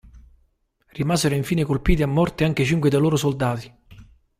Rimasero infine colpiti a morte anche cinque dei loro soldati.